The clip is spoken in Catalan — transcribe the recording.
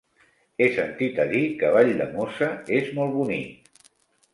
He sentit a dir que Valldemossa és molt bonic.